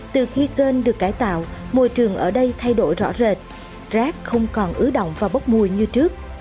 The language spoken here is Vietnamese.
từ khi kênh được cải tạo môi trường ở đây thay đổi rõ rệt rác không còn ứ động và bốc mùi như trước